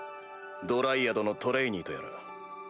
ドライアドのトレイニーとやら。